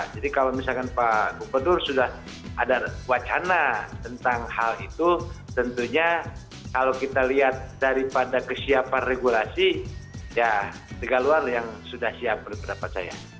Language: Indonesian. jadi kalau misalkan pak gubernur sudah ada wacana tentang hal itu tentunya kalau kita lihat daripada kesiapan regulasi ya tiga luar yang sudah siap menurut pendapat saya